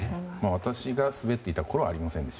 私が滑っていたころはありませんでした。